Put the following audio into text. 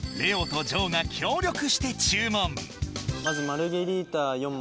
まずマルゲリータ４枚。